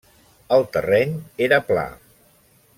El terreny era pla.